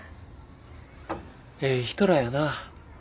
ええ人らやな。